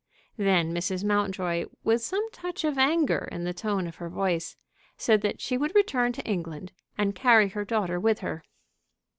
Then Mrs. Mountjoy, with some touch of anger in the tone of her voice, said that she would return to England, and carry her daughter with her.